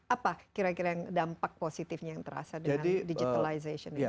apa kira kira yang dampak positifnya yang terasa dengan digitalization ini